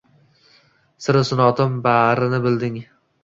Siru sinoatim barini bilding.